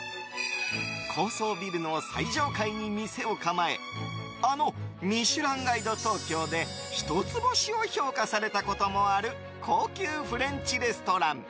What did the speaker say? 高層ビルの最上階に店を構えあの「ミシュランガイド東京」で一つ星を評価されたこともある高級フレンチレストラン。